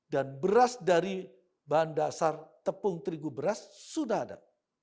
beras dari bahan dasar tepung terigu beras sudah ada